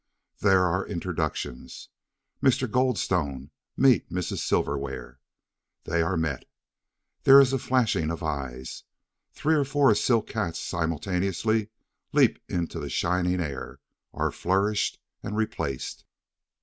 There are introductions. "Mr. Goldstone, meet Mrs. Silverware." They are met. There is a flashing of eyes. Three or four silk hats simultaneously leap into the shining air, are flourished and replaced.